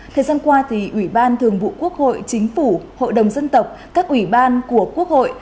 thời gian qua thì ủy ban thường vụ quốc hội chính phủ hội đồng dân tộc các ủy ban của quốc hội